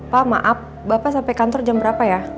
pak maaf bapak sampai kantor jam berapa ya